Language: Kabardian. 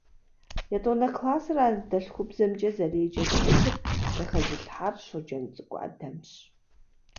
Етӏуанэ классыр анэдэлъхубзэмкӏэ зэреджэ тхылъыр зэхэзылъхьар Щоджэнцӏыкӏу Адэмщ.